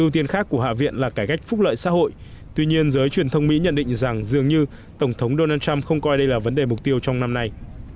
tuy nhiên giới truyền thông mỹ nhận định rằng dường như tổng thống donald trump không coi đây là vấn đề mục tiêu trong năm nay